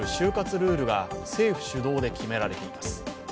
ルールが政府主導で決められています。